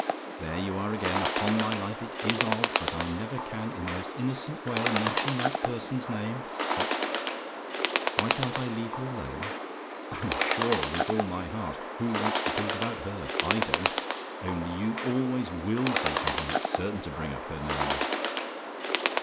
There you are, again! Upon my life, it IS odd; but I never can in the most innocent way mention that person's name that "WHY CAN'T I LEAVE HER ALONE? "I'm sure with all my heart! Who wants to talk about her? I don't: only you always will say something that's certain to bring up her name.